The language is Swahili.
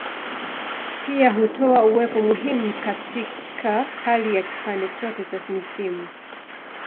Pia hutoa uwepo muhimu katika hali ya kipande chote cha misimu.